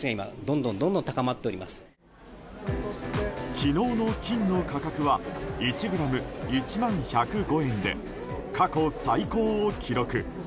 昨日の金の価格は１ｇ＝１万１０５円で過去最高を記録。